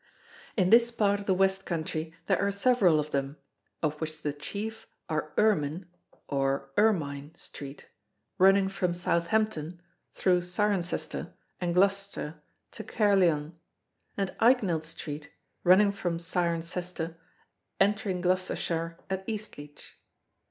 In this part of the West Country there are several of them, of which the chief are Irmin (or Ermine) Street, running from Southampton through Cirencester and Gloucester to Caerleon, and Ikenild Street running from Cirencester, entering Gloucestershire at Eastleach.